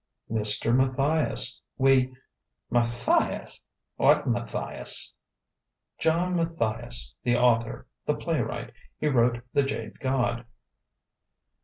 "Mr. Matthias. We " "Matthias? What Matthias?" "John Matthias, the author the playwright. He wrote 'The Jade God.'"